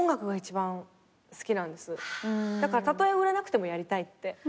だからたとえ売れなくてもやりたい。